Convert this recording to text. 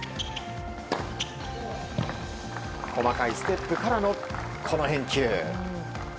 細かいステップからのこの返球。